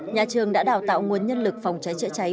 nhà trường đã đào tạo nguồn nhân lực phòng trái chữa trái